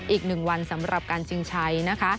อีก๑วันสำหรับการจึงใช้